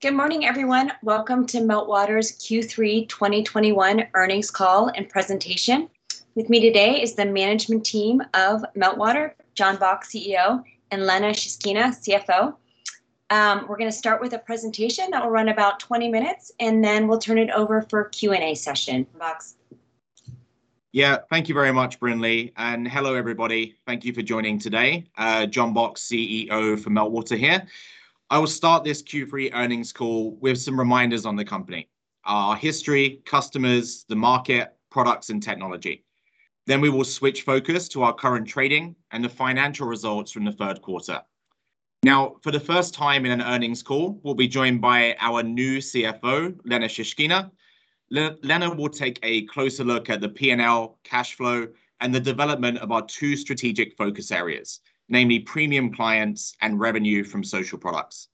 Good morning, everyone. Welcome to Meltwater's Q3 2021 earnings call and presentation. With me today is the management team of Meltwater, John Box, CEO, and Lena Shishkina, CFO. We're gonna start with a presentation that will run about 20 minutes, and then we'll turn it over for a Q&A session. Box. Thank you very much, Brynley, and hello, everybody. Thank you for joining today. John Box, CEO for Meltwater here. I will start this Q3 earnings call with some reminders on the company, our history, customers, the market, products, and technology. Then we will switch focus to our current trading and the financial results from the third quarter. Now, for the first time in an earnings call, we'll be joined by our new CFO, Lena Shishkina. Lena will take a closer look at the P&L, cash flow and the development of our two strategic focus areas, namely premium clients and revenue from social products.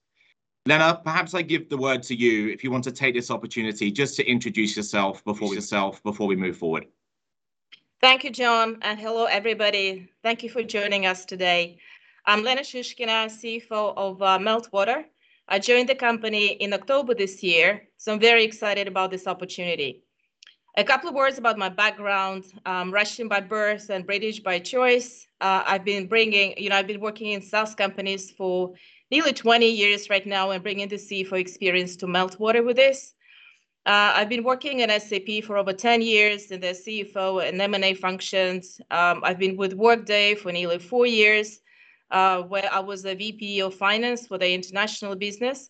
Lena, perhaps I give the word to you if you want to take this opportunity just to introduce yourself before we move forward. Thank you, John, and hello, everybody. Thank you for joining us today. I'm Lena Shishkina, CFO of Meltwater. I joined the company in October this year, so I'm very excited about this opportunity. A couple of words about my background. I'm Russian by birth and British by choice. You know, I've been working in sales companies for nearly 20 years right now and bringing the CFO experience to Meltwater with this. I've been working at SAP for over 10 years in their CFO and M&A functions. I've been with Workday for nearly four years, where I was the VP of Finance for the international business.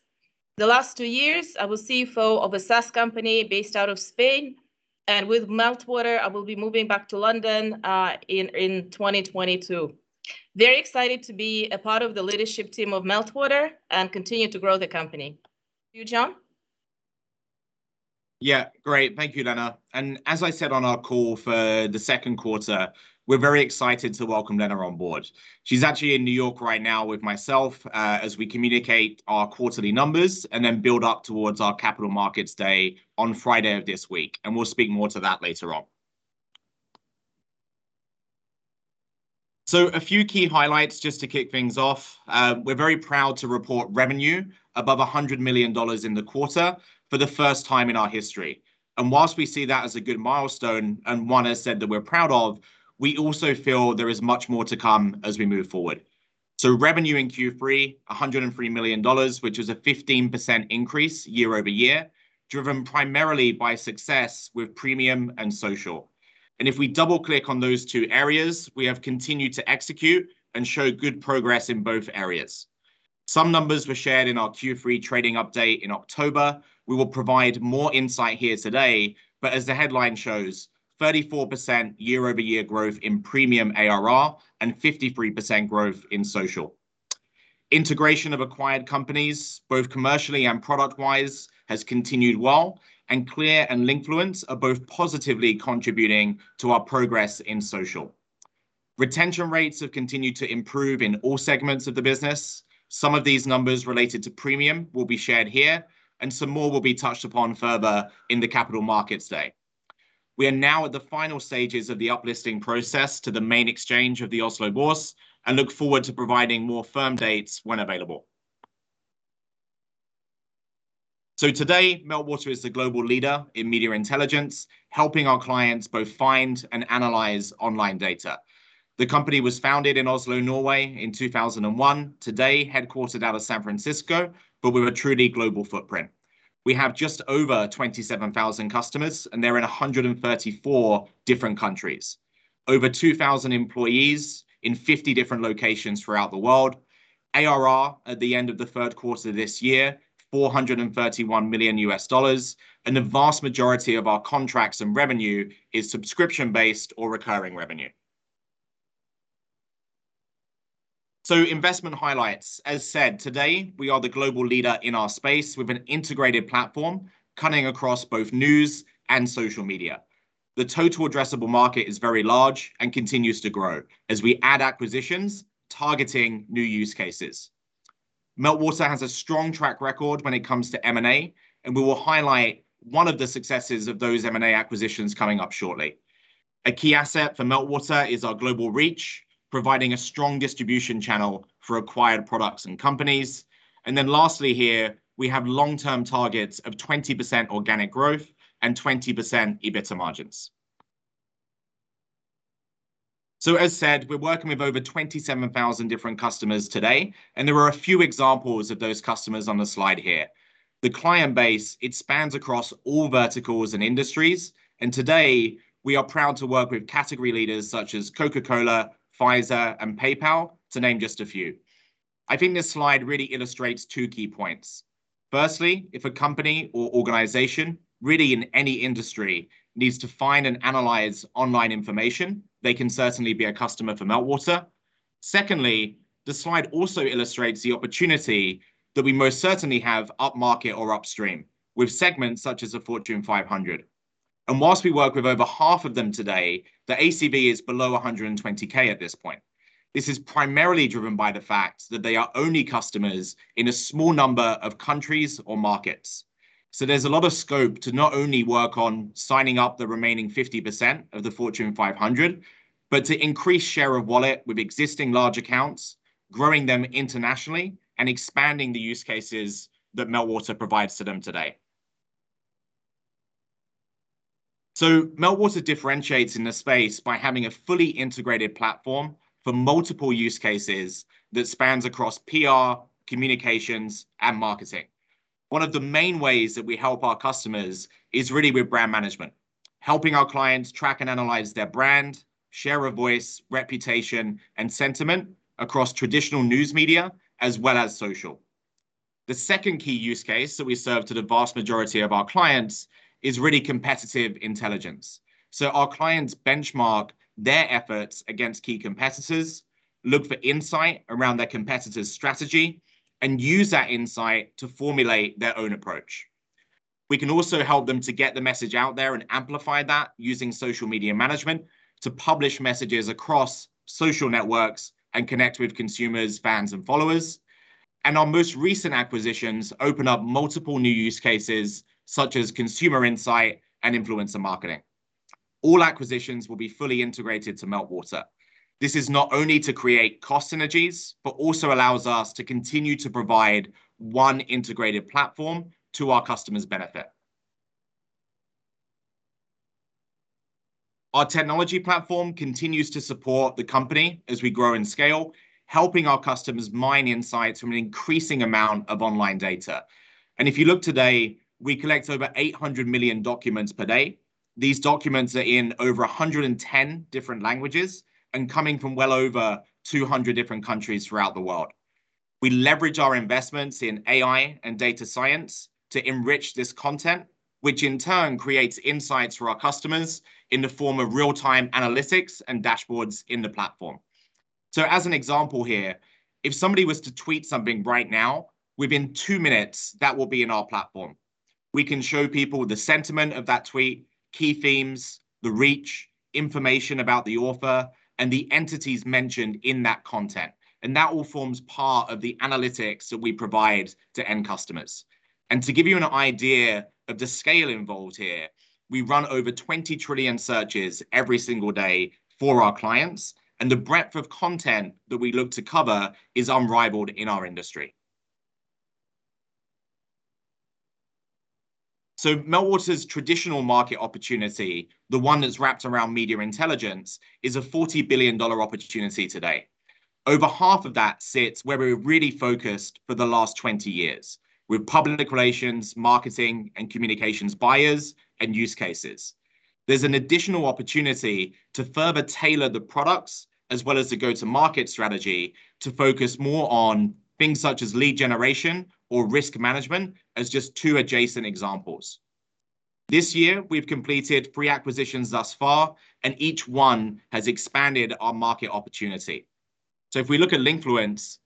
The last two years, I was CFO of a SaaS company based out of Spain, and with Meltwater, I will be moving back to London in 2022. Very excited to be a part of the leadership team of Meltwater and continue to grow the company. To you, John. Yeah, great. Thank you, Lena. As I said on our call for the second quarter, we're very excited to welcome Lena on board. She's actually in New York right now with myself, as we communicate our quarterly numbers and then build up towards our capital markets day on Friday of this week, and we'll speak more to that later on. A few key highlights just to kick things off. We're very proud to report revenue above $100 million in the quarter for the first time in our history. While we see that as a good milestone, and one I said that we're proud of, we also feel there is much more to come as we move forward. Revenue in Q3, $103 million, which is a 15% increase year-over-year, driven primarily by success with premium and social. If we double-click on those two areas, we have continued to execute and show good progress in both areas. Some numbers were shared in our Q3 trading update in October. We will provide more insight here today, but as the headline shows, 34% year-over-year growth in premium ARR and 53% growth in social. Integration of acquired companies, both commercially and product-wise, has continued well, and Klear and Linkfluence are both positively contributing to our progress in social. Retention rates have continued to improve in all segments of the business. Some of these numbers related to premium will be shared here, and some more will be touched upon further in the capital markets day. We are now at the final stages of the up-listing process to the main exchange of the Oslo Børs and look forward to providing more firm dates when available. Today, Meltwater is the global leader in media intelligence, helping our clients both find and analyze online data. The company was founded in Oslo, Norway in 2001, today headquartered out of San Francisco, but with a truly global footprint. We have just over 27,000 customers, and they're in 134 different countries. We have over 2,000 employees in 50 different locations throughout the world. Our ARR at the end of the third quarter this year was $431 million, and the vast majority of our contracts and revenue is subscription-based or recurring revenue. Investment highlights. As said, today we are the global leader in our space with an integrated platform cutting across both news and social media. The total addressable market is very large and continues to grow as we add acquisitions targeting new use cases. Meltwater has a strong track record when it comes to M&A, and we will highlight one of the successes of those M&A acquisitions coming up shortly. A key asset for Meltwater is our global reach, providing a strong distribution channel for acquired products and companies. Lastly here, we have long-term targets of 20% organic growth and 20% EBITDA margins. As said, we're working with over 27,000 different customers today, and there are a few examples of those customers on the slide here. The client base, it spans across all verticals and industries, and today we are proud to work with category leaders such as Coca-Cola, Pfizer, and PayPal, to name just a few. I think this slide really illustrates two key points. Firstly, if a company or organization, really in any industry, needs to find and analyze online information, they can certainly be a customer for Meltwater. Secondly, the slide also illustrates the opportunity that we most certainly have upmarket or upstream with segments such as the Fortune 500. While we work with over half of them today, the ACV is below 120K at this point. This is primarily driven by the fact that they are only customers in a small number of countries or markets. There's a lot of scope to not only work on signing up the remaining 50% of the Fortune 500, but to increase share of wallet with existing large accounts, growing them internationally, and expanding the use cases that Meltwater provides to them today. Meltwater differentiates in the space by having a fully integrated platform for multiple use cases that spans across PR, communications, and marketing. One of the main ways that we help our customers is really with brand management, helping our clients track and analyze their brand, share of voice, reputation, and sentiment across traditional news media as well as social. The second key use case that we serve to the vast majority of our clients is really competitive intelligence. Our clients benchmark their efforts against key competitors, look for insight around their competitors' strategy, and use that insight to formulate their own approach. We can also help them to get the message out there and amplify that using social media management to publish messages across social networks and connect with consumers, fans, and followers. Our most recent acquisitions open up multiple new use cases such as consumer insights and influencer marketing. All acquisitions will be fully integrated to Meltwater. This is not only to create cost synergies, but also allows us to continue to provide one integrated platform to our customers' benefit. Our technology platform continues to support the company as we grow and scale, helping our customers mine insights from an increasing amount of online data. If you look today, we collect over 800 million documents per day. These documents are in over 110 different languages and coming from well over 200 different countries throughout the world. We leverage our investments in AI and data science to enrich this content, which in turn creates insights for our customers in the form of real-time analytics and dashboards in the platform. As an example here, if somebody was to tweet something right now, within two minutes, that will be in our platform. We can show people the sentiment of that tweet, key themes, the reach, information about the author, and the entities mentioned in that content. That all forms part of the analytics that we provide to end customers. To give you an idea of the scale involved here, we run over 20 trillion searches every single day for our clients, and the breadth of content that we look to cover is unrivaled in our industry. Meltwater's traditional market opportunity, the one that's wrapped around media intelligence, is a $40 billion opportunity today. Over half of that sits where we're really focused for the last 20 years with public relations, marketing, and communications buyers and use cases. There's an additional opportunity to further tailor the products as well as the go-to-market strategy to focus more on things such as lead generation or risk management as just two adjacent examples. This year, we've completed three acquisitions thus far, and each one has expanded our market opportunity. If we look at Linkfluence,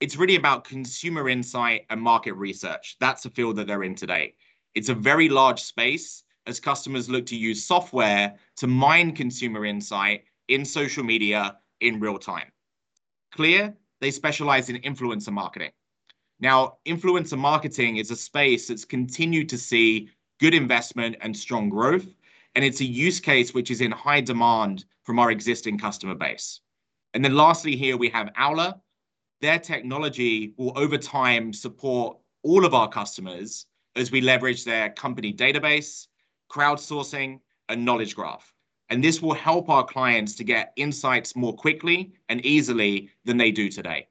it's really about consumer insights and market research. That's the field that they're in today. It's a very large space as customers look to use software to mine consumer insights in social media in real time. Klear, they specialize in influencer marketing. Now, influencer marketing is a space that's continued to see good investment and strong growth, and it's a use case which is in high demand from our existing customer base. Then lastly here, we have Owler. Their technology will over time support all of our customers as we leverage their company database, crowdsourcing, and knowledge graph. This will help our clients to get insights more quickly and easily than they do today.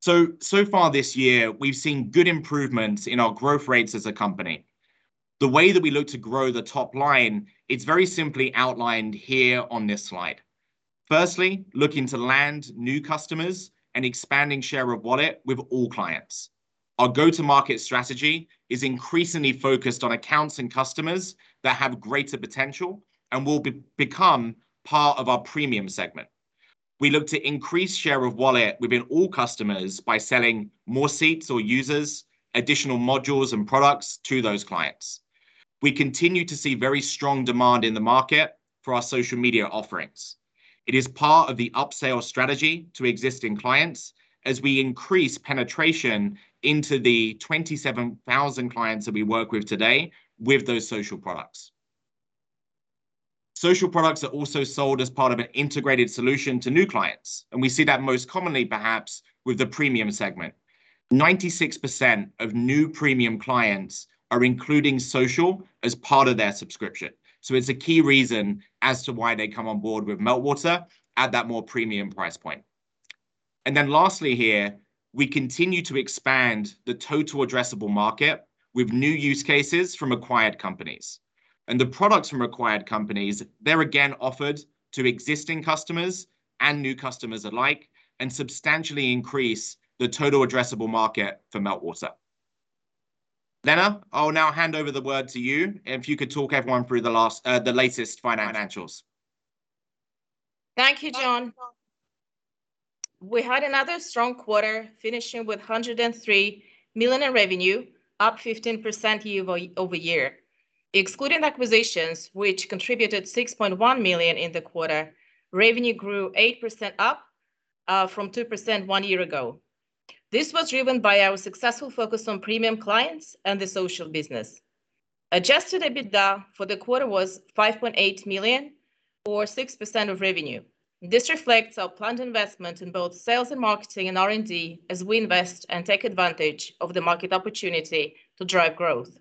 So far this year, we've seen good improvements in our growth rates as a company. The way that we look to grow the top line, it's very simply outlined here on this slide. Firstly, looking to land new customers and expanding share of wallet with all clients. Our go-to-market strategy is increasingly focused on accounts and customers that have greater potential and will become part of our premium segment. We look to increase share of wallet within all customers by selling more seats or users, additional modules and products to those clients. We continue to see very strong demand in the market for our social media offerings. It is part of the upsell strategy to existing clients as we increase penetration into the 27,000 clients that we work with today with those social products. Social products are also sold as part of an integrated solution to new clients, and we see that most commonly perhaps with the premium segment. 96% of new premium clients are including social as part of their subscription. It's a key reason as to why they come on board with Meltwater at that more premium price point. Lastly here, we continue to expand the total addressable market with new use cases from acquired companies. The products from acquired companies, they're again offered to existing customers and new customers alike and substantially increase the total addressable market for Meltwater. Lena, I'll now hand over the word to you, and if you could talk everyone through the latest financials. Thank you, John. We had another strong quarter finishing with $103 million in revenue, up 15% year over year. Excluding acquisitions, which contributed $6.1 million in the quarter, revenue grew 8%, up from 2% one year ago. This was driven by our successful focus on premium clients and the social business. Adjusted EBITDA for the quarter was $5.8 million or 6% of revenue. This reflects our planned investment in both sales and marketing and R&D as we invest and take advantage of the market opportunity to drive growth.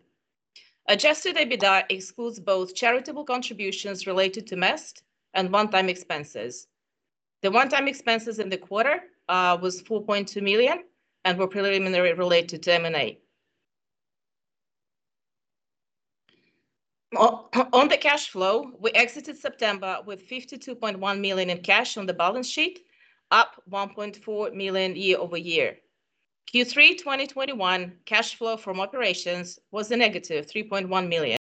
Adjusted EBITDA excludes both charitable contributions related to MEST and one-time expenses. The one-time expenses in the quarter was $4.2 million and were preliminary related to M&A. On the cash flow, we exited September with $52.1 million in cash on the balance sheet, up $1.4 million year over year. Q3 2021 cash flow from operations was a negative $3.1 million.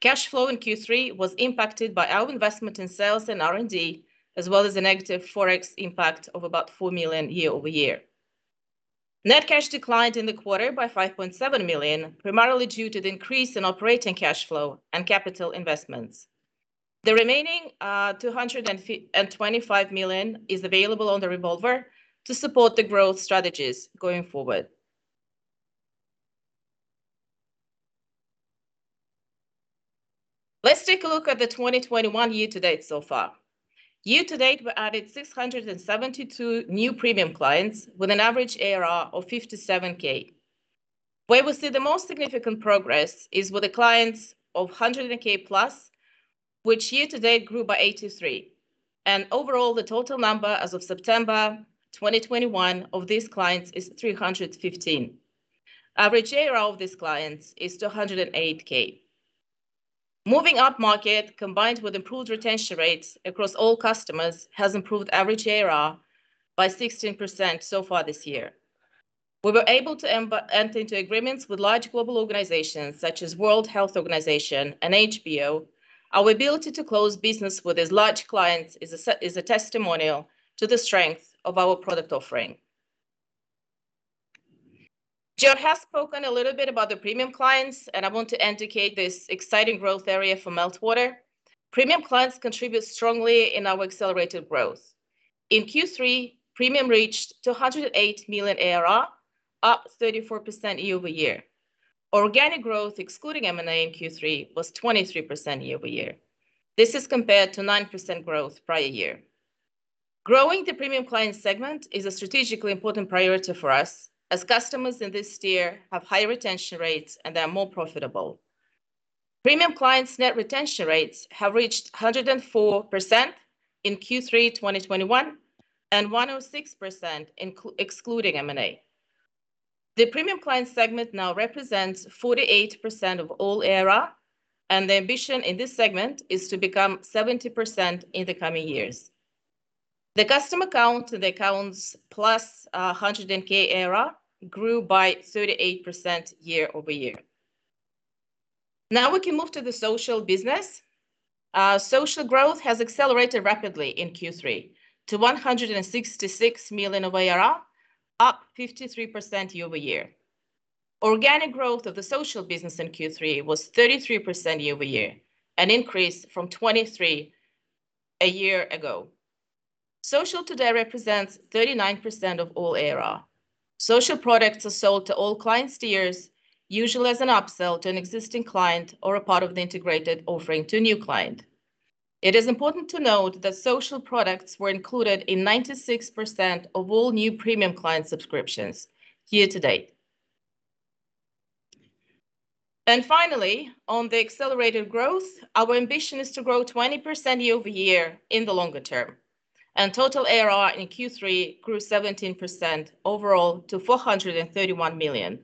Cash flow in Q3 was impacted by our investment in sales and R&D, as well as a negative Forex impact of about $4 million year-over-year. Net cash declined in the quarter by $5.7 million, primarily due to the increase in operating cash flow and capital investments. The remaining $225 million is available on the revolver to support the growth strategies going forward. Let's take a look at the 2021 year-to-date so far. Year-to-date, we added 672 new premium clients with an average ARR of $57K. Where we see the most significant progress is with the clients of $100K plus, which year to date grew by 83, and overall the total number as of September 2021 of these clients is 315. Average ARR of these clients is $208K. Moving up market, combined with improved retention rates across all customers, has improved average ARR by 16% so far this year. We were able to enter into agreements with large global organizations such as World Health Organization and HBO. Our ability to close business with these large clients is a testimonial to the strength of our product offering. John has spoken a little bit about the premium clients, and I want to indicate this exciting growth area for Meltwater. Premium clients contribute strongly in our accelerated growth. In Q3, premium reached $208 million ARR, up 34% year-over-year. Organic growth, excluding M&A in Q3, was 23% year-over-year. This is compared to 9% growth prior year. Growing the premium client segment is a strategically important priority for us, as customers in this tier have high retention rates and they are more profitable. Premium clients net retention rates have reached 104% in Q3 2021 and 106% excluding M&A. The premium client segment now represents 48% of all ARR, and the ambition in this segment is to become 70% in the coming years. The customer count, the accounts plus 100K ARR grew by 38% year-over-year. Now we can move to the social business. Social growth has accelerated rapidly in Q3 to $166 million of ARR, up 53% year-over-year. Organic growth of the social business in Q3 was 33% year-over-year, an increase from 23 a year ago. Social today represents 39% of all ARR. Social products are sold to all client tiers, usually as an upsell to an existing client or a part of the integrated offering to a new client. It is important to note that social products were included in 96% of all new premium client subscriptions year to date. Finally, on the accelerated growth, our ambition is to grow 20% year-over-year in the longer term, and total ARR in Q3 grew 17% overall to $431 million.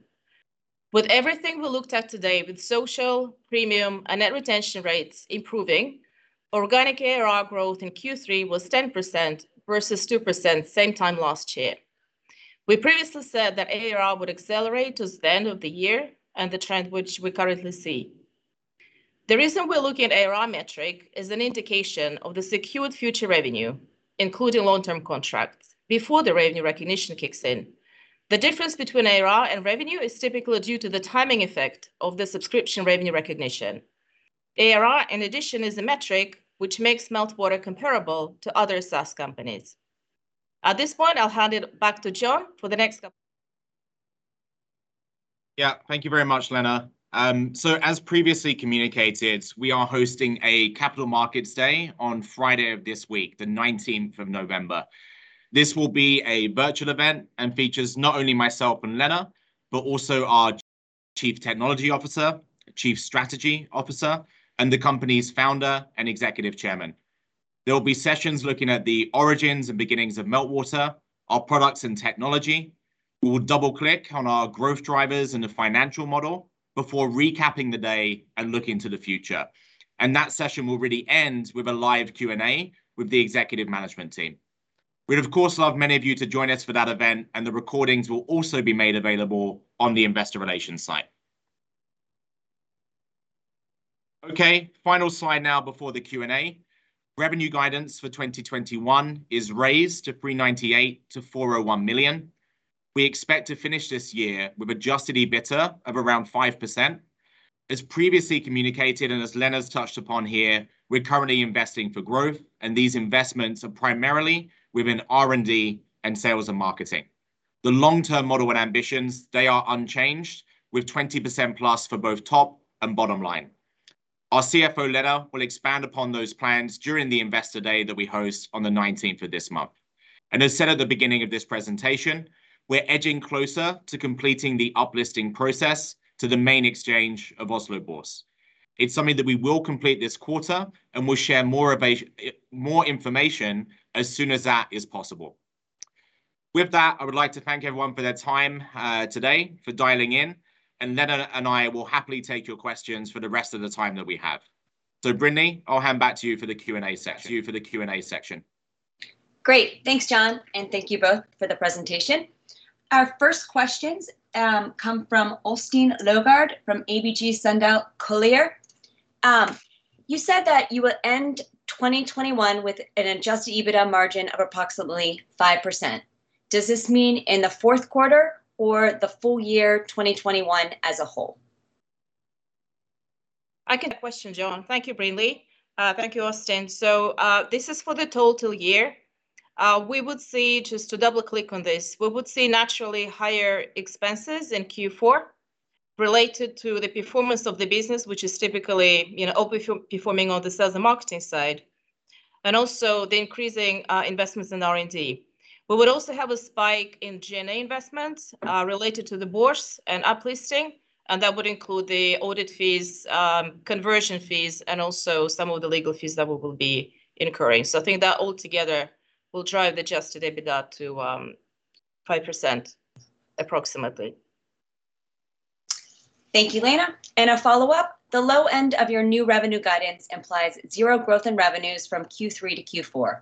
With everything we looked at today with social, premium, and net retention rates improving, organic ARR growth in Q3 was 10% versus 2% same time last year. We previously said that ARR would accelerate towards the end of the year and the trend which we currently see. The reason we're looking at ARR metric is an indication of the secured future revenue, including long-term contracts, before the revenue recognition kicks in. The difference between ARR and revenue is typically due to the timing effect of the subscription revenue recognition. ARR, in addition, is a metric which makes Meltwater comparable to other SaaS companies. At this point, I'll hand it back to John for the next couple- Yeah. Thank you very much, Lena. So as previously communicated, we are hosting a capital markets day on Friday of this week, the nineteenth of November. This will be a virtual event and features not only myself and Lena, but also our Chief Technology Officer, Chief Strategy Officer, and the company's founder and executive chairman. There will be sessions looking at the origins and beginnings of Meltwater, our products and technology. We will double-click on our growth drivers and the financial model before recapping the day and looking to the future. That session will really end with a live Q&A with the executive management team. We'd of course love many of you to join us for that event, and the recordings will also be made available on the investor relations site. Okay, final slide now before the Q&A. Revenue guidance for 2021 is raised to $398 million-$401 million. We expect to finish this year with adjusted EBITDA of around 5%. As previously communicated, and as Lena's touched upon here, we're currently investing for growth, and these investments are primarily within R&D and sales and marketing. The long-term model and ambitions, they are unchanged, with 20% plus for both top and bottom line. Our CFO letter will expand upon those plans during the investor day that we host on the 19th of this month. As said at the beginning of this presentation, we're edging closer to completing the up-listing process to the main exchange of Oslo Børs. It's something that we will complete this quarter, and we'll share more information as soon as that is possible. With that, I would like to thank everyone for their time, today, for dialing in, and Lena and I will happily take your questions for the rest of the time that we have. Brynley, I'll hand back to you for the Q&A section. Great. Thanks, John, and thank you both for the presentation. Our first questions come from Øystein Lodgaard from ABG Sundal Collier. You said that you will end 2021 with an adjusted EBITDA margin of approximately 5%. Does this mean in the fourth quarter, or the full year 2021 as a whole? I can take the question, John. Thank you, Brynley. Thank you, Øystein. This is for the total year. We would see, just to double-click on this, we would see naturally higher expenses in Q4 related to the performance of the business, which is typically, you know, overperforming on the sales and marketing side, and also the increasing investments in R&D. We would also have a spike in G&A investments related to the Børs and up-listing, and that would include the audit fees, conversion fees, and also some of the legal fees that we will be incurring. I think that all together will drive the adjusted EBITDA to 5% approximately. Thank you, Lena. A follow-up. The low end of your new revenue guidance implies zero growth in revenues from Q3 to Q4.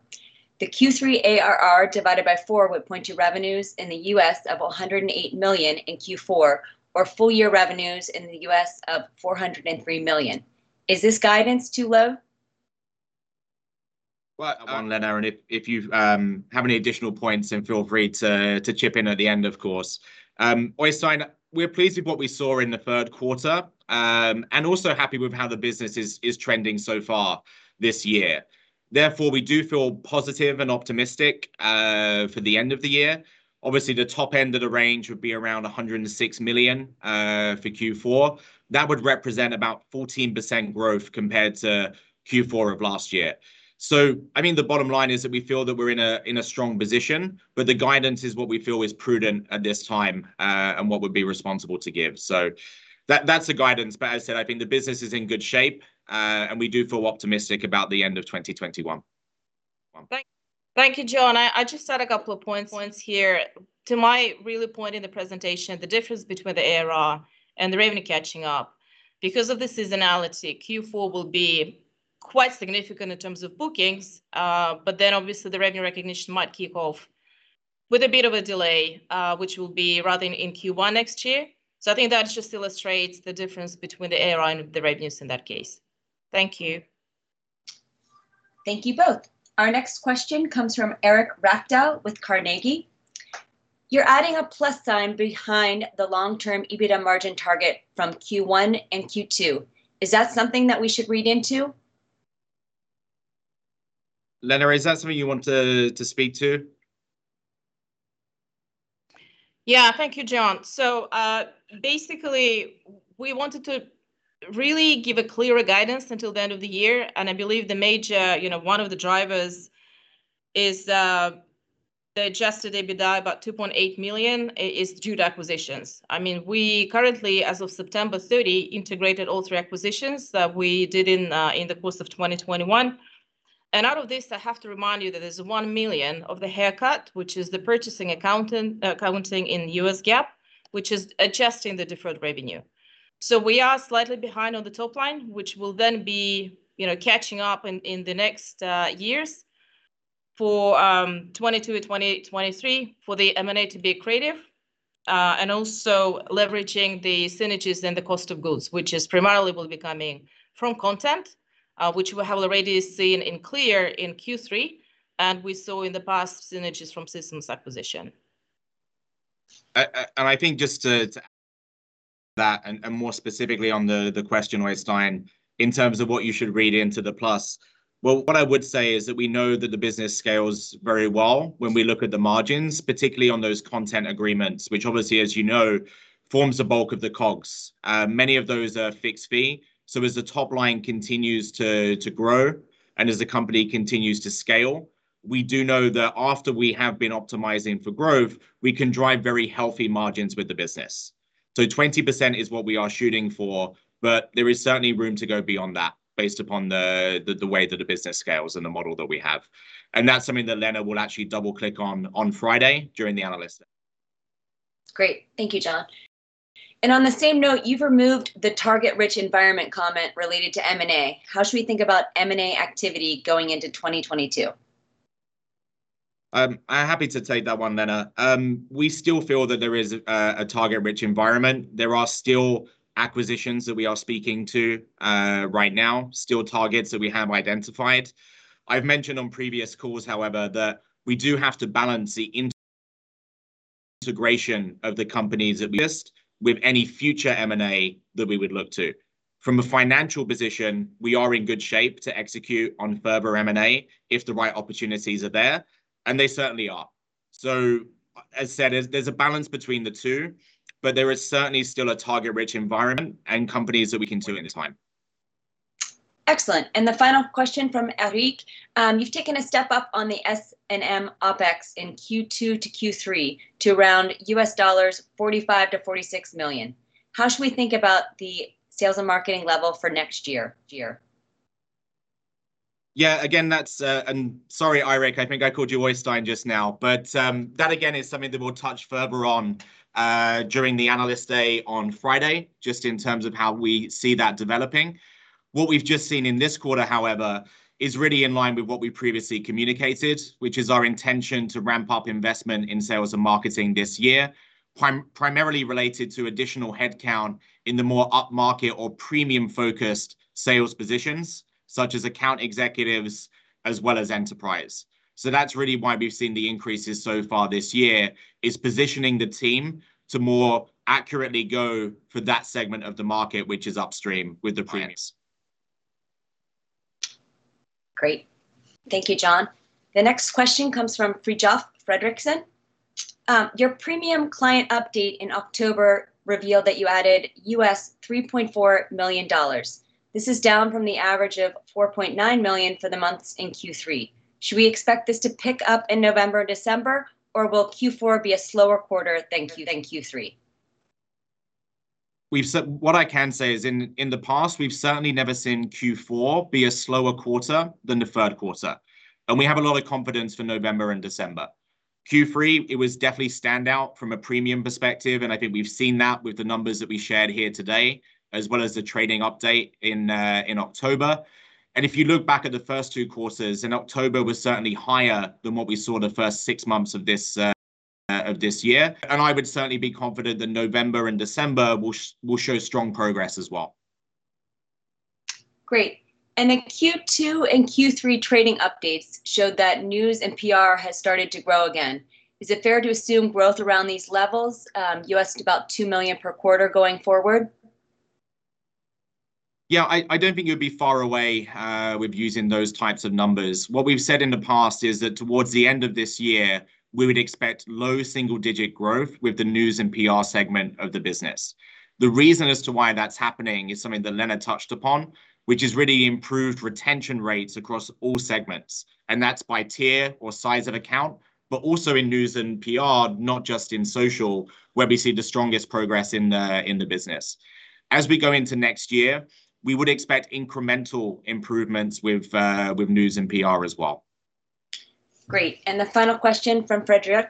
The Q3 ARR divided by four would point to revenues in the U.S. of $108 million in Q4, or full year revenues in the U.S. of $403 million. Is this guidance too low? Well, Lena, and if you have any additional points, then feel free to chip in at the end, of course. Øystein, we're pleased with what we saw in the third quarter and also happy with how the business is trending so far this year. Therefore, we do feel positive and optimistic for the end of the year. Obviously, the top end of the range would be around $106 million for Q4. That would represent about 14% growth compared to Q4 of last year. I mean, the bottom line is that we feel that we're in a strong position, but the guidance is what we feel is prudent at this time and what would be responsible to give. That's the guidance. as I said, I think the business is in good shape, and we do feel optimistic about the end of 2021. Thank you, John. I just had a couple of points here. To my real point in the presentation, the difference between the ARR and the revenue catching up, because of the seasonality, Q4 will be quite significant in terms of bookings, but then obviously the revenue recognition might kick off with a bit of a delay, which will be rather in Q1 next year. I think that just illustrates the difference between the ARR and the revenues in that case. Thank you. Thank you both. Our next question comes from Eric Ragdahl with Carnegie. You're adding a plus sign behind the long-term EBITDA margin target from Q1 and Q2. Is that something that we should read into? Lena, is that something you want to speak to? Yeah. Thank you, John. Basically we wanted to really give a clearer guidance until the end of the year, and I believe the major, you know, one of the drivers is the adjusted EBITDA, about $2.8 million is due to acquisitions. I mean, we currently, as of September 30, integrated all three acquisitions that we did in the course of 2021, and out of this I have to remind you that there's $1 million of the haircut, which is the purchase accounting in U.S. GAAP, which is adjusting the deferred revenue. We are slightly behind on the top line, which will then be catching up in the next years for 2022, 2023 for the M&A to be accretive, and also leveraging the synergies and the cost of goods, which is primarily will be coming from content, which we have already seen in Klear in Q3, and we saw in the past synergies from Sysomos acquisition. I think just to that, and more specifically on the question, Øystein, in terms of what you should read into the plus. Well, what I would say is that we know that the business scales very well when we look at the margins, particularly on those content agreements, which obviously, as you know, forms the bulk of the COGS. Many of those are fixed fee, so as the top line continues to grow and as the company continues to scale, we do know that after we have been optimizing for growth, we can drive very healthy margins with the business. 20% is what we are shooting for, but there is certainly room to go beyond that based upon the way that the business scales and the model that we have. That's something that Lena will actually double-click on Friday during the analyst day. Great. Thank you, John. On the same note, you've removed the target rich environment comment related to M&A. How should we think about M&A activity going into 2022? I'm happy to take that one, Lena. We still feel that there is a target-rich environment. There are still acquisitions that we are speaking to right now, still targets that we have identified. I've mentioned on previous calls, however, that we do have to balance the integration of the companies that we list with any future M&A that we would look to. From a financial position, we are in good shape to execute on further M&A if the right opportunities are there, and they certainly are. As said, there's a balance between the two, but there is certainly still a target-rich environment and companies that we can do at this time. Excellent. The final question from Eric. You've taken a step up on the S&M OPEX in Q2 to Q3 to around $45 million-$46 million. How should we think about the sales and marketing level for next year? Yeah, again, that's. Sorry, Eirik, I think I called you Øystein just now. That again is something that we'll touch further on during the analyst day on Friday, just in terms of how we see that developing. What we've just seen in this quarter, however, is really in line with what we previously communicated, which is our intention to ramp up investment in sales and marketing this year, primarily related to additional headcount in the more upmarket or premium-focused sales positions, such as account executives as well as enterprise. That's really why we've seen the increases so far this year is positioning the team to more accurately go for that segment of the market which is upstream with the premiums. Great. Thank you, John. The next question comes from Frithjof Frederiksen. Your premium client update in October revealed that you added $3.4 million. This is down from the average of $4.9 million for the months in Q3. Should we expect this to pick up in November and December, or will Q4 be a slower quarter than Q3? What I can say is in the past, we've certainly never seen Q4 be a slower quarter than the third quarter, and we have a lot of confidence for November and December. Q3, it was definitely stand out from a premium perspective, and I think we've seen that with the numbers that we shared here today, as well as the trading update in October. If you look back at the first two quarters, October was certainly higher than what we saw the first six months of this year, and I would certainly be confident that November and December will show strong progress as well. Great. Q2 and Q3 trading updates showed that news and PR has started to grow again. Is it fair to assume growth around these levels, $2 million per quarter going forward? Yeah, I don't think you'd be far away with using those types of numbers. What we've said in the past is that towards the end of this year, we would expect low single-digit growth with the news and PR segment of the business. The reason as to why that's happening is something that Lena touched upon, which is really improved retention rates across all segments, and that's by tier or size of account, but also in news and PR, not just in social, where we see the strongest progress in the business. As we go into next year, we would expect incremental improvements with news and PR as well. Great. The final question from Frederick.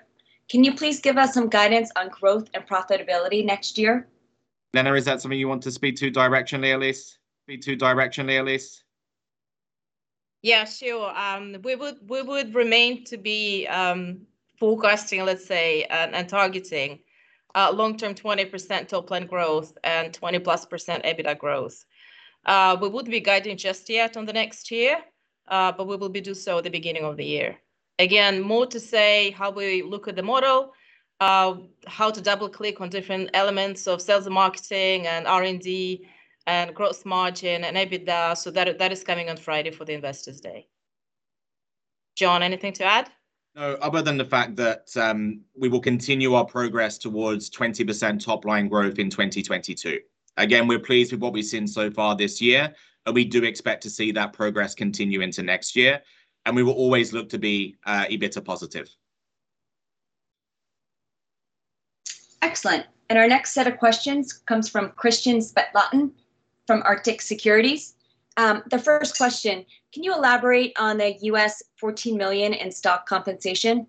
Can you please give us some guidance on growth and profitability next year? Lena, is that something you want to speak to directionally at least? Yeah, sure. We would remain to be forecasting, let's say, and targeting long-term 20% top-line growth and 20%+ EBITDA growth. We wouldn't be guiding just yet on the next year, but we will do so at the beginning of the year. Again, more to say how we look at the model, how to double-click on different elements of sales and marketing and R&D and gross margin and EBITDA, so that is coming on Friday for the Investors Day. John, anything to add? No. Other than the fact that we will continue our progress towards 20% top-line growth in 2022. Again, we're pleased with what we've seen so far this year, and we do expect to see that progress continue into next year, and we will always look to be EBITDA positive. Excellent. Our next set of questions comes from Kristian Spetalen from Arctic Securities. The first question, can you elaborate on the $14 million in stock compensation?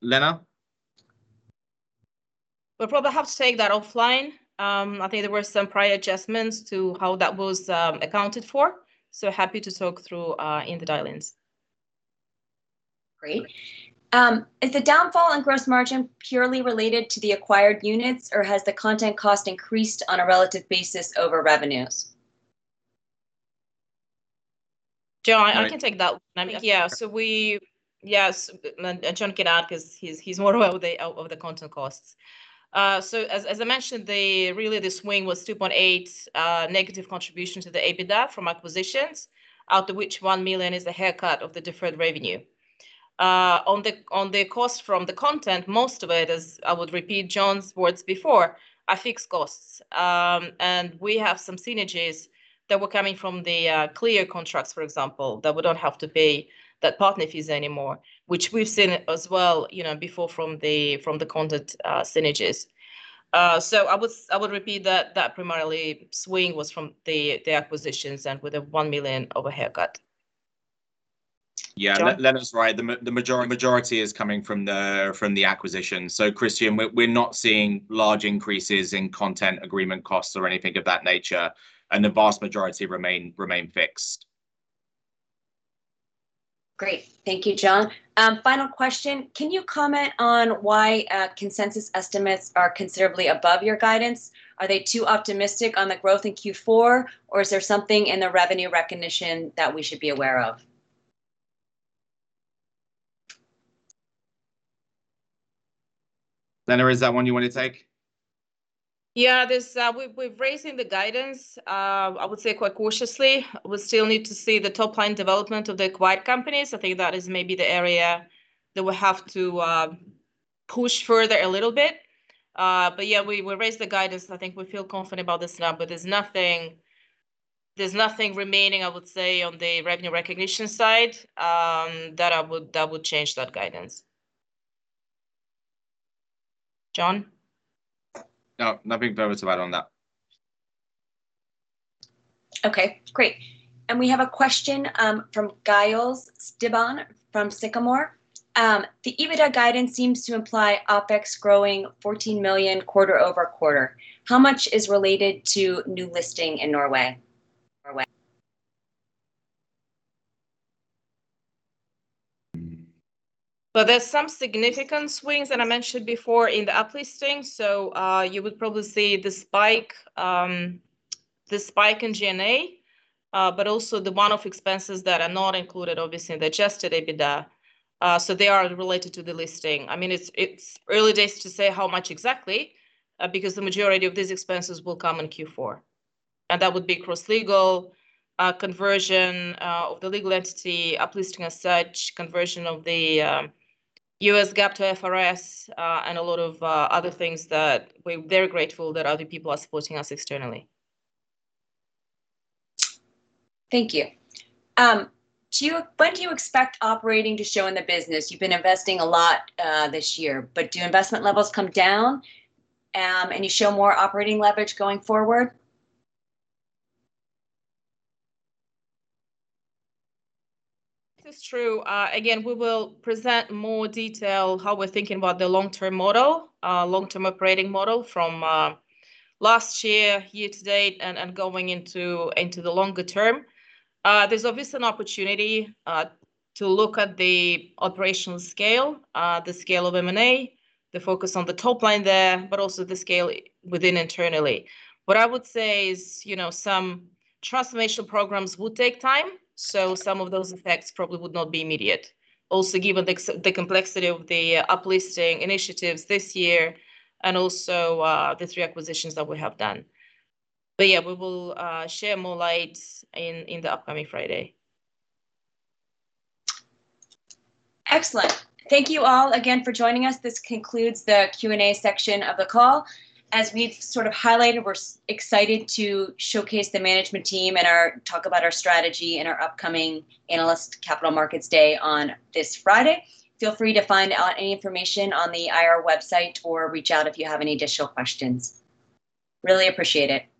Lena? We'll probably have to take that offline. I think there were some prior adjustments to how that was accounted for, so happy to talk through in the dial-ins. Great. Is the downfall in gross margin purely related to the acquired units, or has the content cost increased on a relative basis over revenues? John, I can take that one. All right. I mean, yeah, and John can add 'cause he's more aware of the content costs. As I mentioned, really the swing was 2.8 million negative contribution to the EBITDA from acquisitions, out of which 1 million is the haircut of the deferred revenue. On the cost from the content, most of it is, I would repeat John's words before, are fixed costs. And we have some synergies that were coming from the Klear contracts, for example, that we don't have to pay that partner fees anymore, which we've seen as well, you know, before from the content synergies. I would repeat that the primary swing was from the acquisitions and with the 1 million of a haircut. John? Yeah. Lena's right. The majority is coming from the acquisition. Kristian, we're not seeing large increases in content agreement costs or anything of that nature, and the vast majority remain fixed. Great. Thank you, John. Final question. Can you comment on why consensus estimates are considerably above your guidance? Are they too optimistic on the growth in Q4, or is there something in the revenue recognition that we should be aware of? Lena, is that one you want to take? Yeah, we're raising the guidance, I would say quite cautiously. We still need to see the top-line development of the acquired companies. I think that is maybe the area that we have to push further a little bit. We raised the guidance. I think we feel confident about this now, but there's nothing remaining, I would say, on the revenue recognition side, that would change that guidance. John? No, nothing further to add on that. Okay, great. We have a question from Giles Debon from Sycamore. The EBITDA guidance seems to imply OPEX growing 14 million quarter-over-quarter. How much is related to new listing in Norway? There's some significant swings that I mentioned before in the uplisting. You would probably see the spike in G&A, but also the one-off expenses that are not included, obviously, in the adjusted EBITDA. They are related to the listing. I mean, it's early days to say how much exactly, because the majority of these expenses will come in Q4, and that would be cross-legal conversion of the legal entity, uplisting as such, conversion of the US GAAP to IFRS, and a lot of other things that we're very grateful that other people are supporting us externally. Thank you. What do you expect operating to show in the business? You've been investing a lot this year, but do investment levels come down, and you show more operating leverage going forward? This is true. Again, we will present more detail how we're thinking about the long-term model, long-term operating model from last year to date, and going into the longer term. There's obviously an opportunity to look at the operational scale, the scale of M&A, the focus on the top line there, but also the scale within internally. What I would say is, you know, some transformational programs will take time, so some of those effects probably would not be immediate. Also, given the complexity of the uplisting initiatives this year and also the three acquisitions that we have done, yeah, we will share more light in the upcoming Friday. Excellent. Thank you all again for joining us. This concludes the Q&A section of the call. As we've sort of highlighted, we're excited to showcase the management team and our talk about our strategy in our upcoming Analyst Capital Markets Day on this Friday. Feel free to find out any information on the IR website or reach out if you have any additional questions. Really appreciate it.